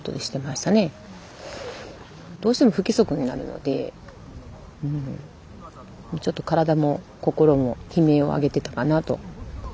どうしても不規則になるのでうんちょっと体も心も悲鳴を上げてたかなと思います。